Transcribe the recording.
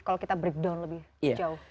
kalau kita breakdown lebih jauh